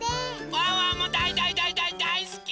ワンワンもだいだいだいだいだいすき！